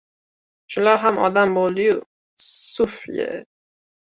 Shular ham odam bo‘ldi-yu! Suf-ye!..